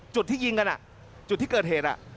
จุดที่ยิงกันจุดที่เกิดเหตุ